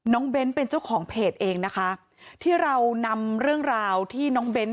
เบ้นเป็นเจ้าของเพจเองนะคะที่เรานำเรื่องราวที่น้องเบ้น